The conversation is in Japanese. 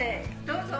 どうぞ。